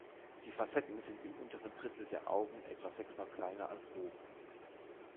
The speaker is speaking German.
Die Facetten sind im unteren Drittel der Augen etwa sechsmal kleiner, als oben.